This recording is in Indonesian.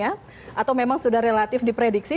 atau memang sudah relatif diprediksi